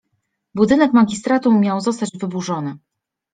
Budynek magistratu miał zostać wyburzony.